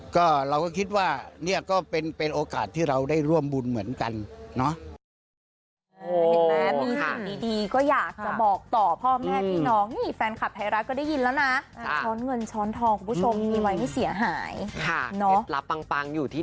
ก็เราก็คิดว่าเนี่ยก็เป็นโอกาสที่เราได้ร่วมบุญเหมือนกันเนาะ